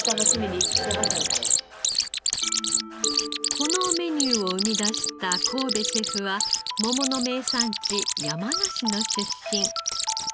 このメニューを生み出した神戸シェフは桃の名産地山梨の出身。